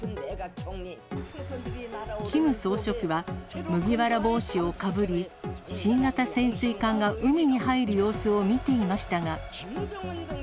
キム総書記は、麦わら帽子をかぶり、新型潜水艦が海に入る様子を見ていましたが。